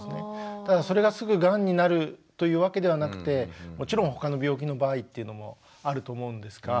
ただそれがすぐがんになるというわけではなくてもちろん他の病気の場合っていうのもあると思うんですが。